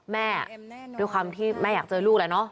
แม่ด้วยความที่แม่อยากเจอลูกแล้วเนาะ